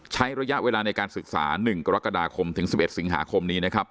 ใช้ระยะเวลาในการศึกษา๑กรกฎาคมถึง๑๑สิงหาคมนี้นะครับ